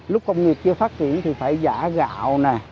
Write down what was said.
lúc công nghiệp chưa phát triển thì phải giả gạo này